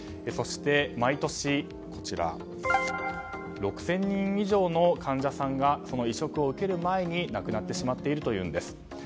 そして毎年６０００人以上の患者さんがその移植を受ける前に亡くなってしまっているというんです。